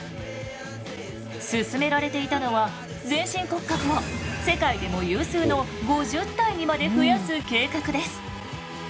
進められていたのは全身骨格を世界でも有数の５０体にまで増やす計画です。